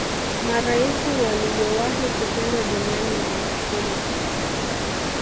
maraisi waliyowahi kupendwa duniani ni magufuli